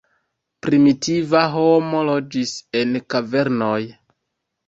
Primitiva homo loĝis en kavernoj.